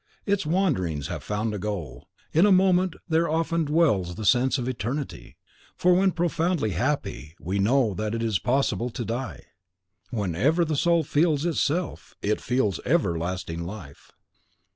Its wanderings have found a goal. In a moment there often dwells the sense of eternity; for when profoundly happy, we know that it is impossible to die. Whenever the soul FEELS ITSELF, it feels everlasting life.